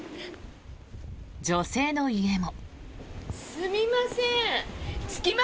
女性の家も。